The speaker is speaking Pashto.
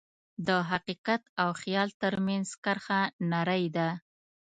د حقیقت او خیال ترمنځ کرښه نری ده.